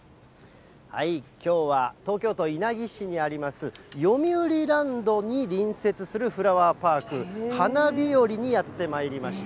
きょうは東京都稲城市にあります、よみうりランドに隣接するフラワーパーク、ハナビヨリにやってまいりました。